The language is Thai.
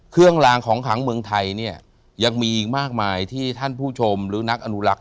กลางของขังเมืองไทยเนี่ยยังมีอีกมากมายที่ท่านผู้ชมหรือนักอนุลักษ